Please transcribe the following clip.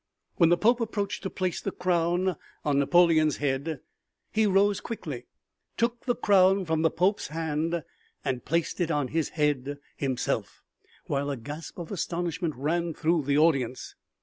When the Pope approached to place the crown on Napoleon's head he rose quickly, took the crown from the Pope's hand and placed it on his head himself, while a gasp of astonishment ran through the audience.